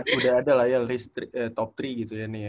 tapi udah ada lah ya list top tiga gitu ya nih ya